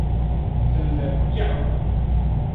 Sanza’ biɛɣu.